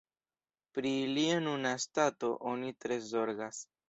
Pri ilia nuna stato oni tre zorgas.